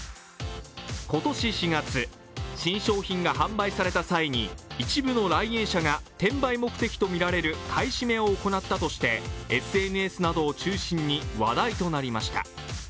今年４月、新商品が販売された際に一部の来園者が転売目的とみられる買い占めを行ったとして、ＳＮＳなどを中心に話題となりました。